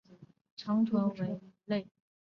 长臀鲃为鲤科长臀鲃属的鱼类。